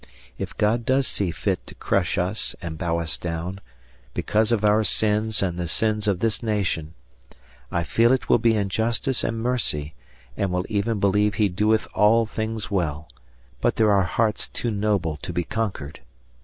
If God does see fit to crush us and bow us down, because of our sins and the sins of this nation, I feel it will be in justice and mercy, and will even believe he doeth all things well; but there are hearts too noble to be conquered.